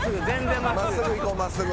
真っすぐいこう真っすぐ。